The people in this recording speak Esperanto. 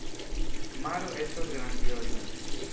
Maro estas grandioza.